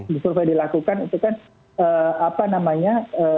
di survei dilakukan itu kan apa namanya